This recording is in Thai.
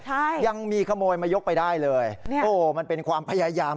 ใช่ยังมีขโมยมายกไปได้เลยเนี่ยโอ้โหมันเป็นความพยายาม